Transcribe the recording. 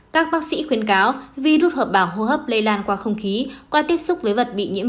các bác sĩ khuyên cáo virus hợp bảo hô hấp lây lan qua không khí qua tiếp xúc với vật bị nhiễm